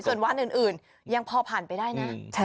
ส่วนวันอื่นยังพอผ่านไปได้นะ